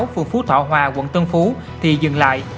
phường phú thọ hòa quận tân phú thì dừng lại